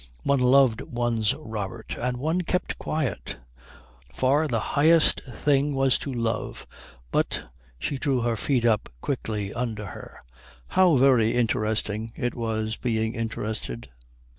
One loved one's Robert, and one kept quiet. Far the highest thing was to love; but she drew her feet up quickly under her how very interesting it was being interested!